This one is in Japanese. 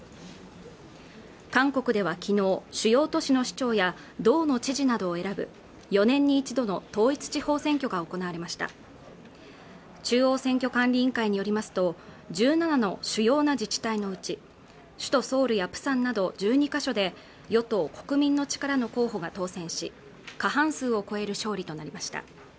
韓国では昨日主要都市の市長や道の知事などを選ぶ４年に１度の統一地方選挙が行われました中央選挙管理委員会によりますと１７の主要な自治体のうち首都ソウルやプサンなど１２か所で与党・国民の力の候補が当選し過半数を超える勝利となりました